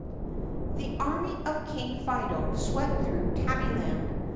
T HE army of King Fido swept through Tabbyland.